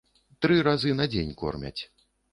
Тры разы на дзень кормяць.